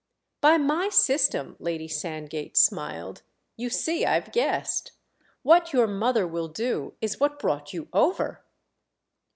"By my system," Lady Sandgate smiled, "you see I've guessed. What your mother will do is what brought you over!"